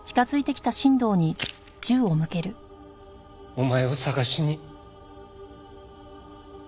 お前を捜しに。